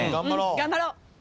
頑張ろう！